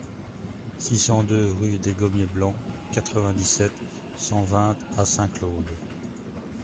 six cent deux rue des Gommiers Blancs, quatre-vingt-dix-sept, cent vingt à Saint-Claude